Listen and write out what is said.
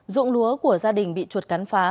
dụng lúa của gia đình bị chuột cắn phá